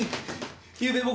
ゆうべ僕